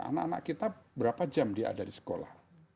anak anak kita berapa jam dia ada di sekolah